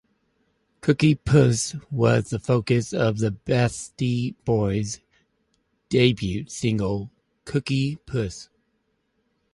Cookie Puss was the focus of the Beastie Boys' debut single, "Cooky Puss".